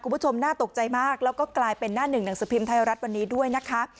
น่าตกใจมากแล้วก็กลายเป็นหน้าหนึ่งหนังสือพิมพ์ไทยรัฐวันนี้ด้วยนะคะ